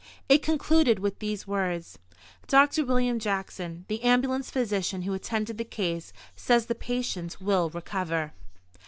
It concluded with these words: "Dr. William Jackson, the ambulance physician who attended the case, says the patient will recover."